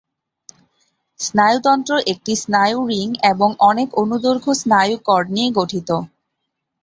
স্নায়ুতন্ত্র একটি স্নায়ু রিং এবং অনেক অনুদৈর্ঘ্য স্নায়ু কর্ড নিয়ে গঠিত।